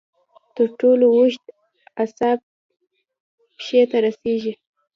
تر ټولو اوږد اعصاب پښې ته رسېږي.